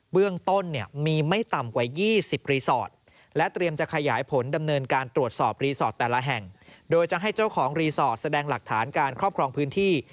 เบื้องต้นเนี่ยมีไม่ต่ำกว่า๒๐รีสอร์ทและเตรียมจะขยายผลดำเนินการตรวจสอบรีสอร์ทแต่ละแห่งโดยจะให้เจ้าของรีสอร์ทแสดงหลักฐานการครอบครองพื้นที่